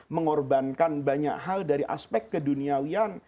mengorbankan banyak hal dari aspek keduniawian